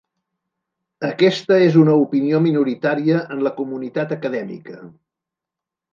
Aquesta és una opinió minoritària en la comunitat acadèmica.